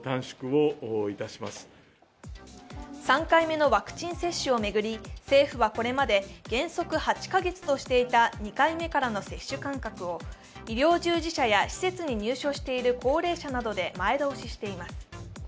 ３回目のワクチン接種を巡り、政府はこれまで原則８カ月としていた２回目からの接種間隔を接種間隔を医療従事者は施設に入所している高齢者などで前倒ししています。